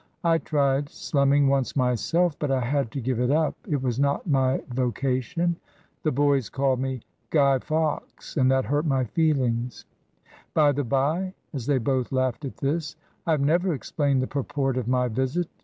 "I tried slumming once myself, but I had to give it up; it was not my vocation. The boys called me 'Guy Fawkes,' and that hurt my feelings. By the bye," as they both laughed at this, "I have never explained the purport of my visit.